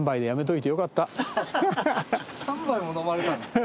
３杯も飲まれたんですか？